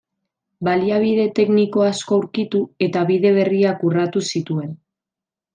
Baliabide tekniko asko aurkitu eta bide berriak urratu zituen.